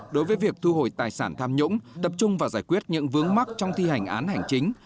đối với việc thu hồi tài sản tham nhũng tập trung vào giải quyết những vướng mắt trong thi hành án hành chính